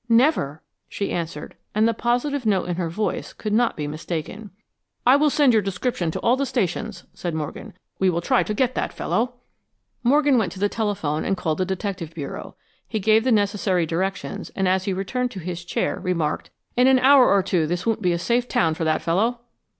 "Never," she answered, and the positive note in her voice could not be mistaken. "I will send your description to all the stations," said Morgan. "We will try to get that fellow." Morgan went to the telephone and called the Detective Bureau. He gave the necessary directions, and as he returned to his chair, remarked, "In an hour or two this won't be a safe town for that fellow."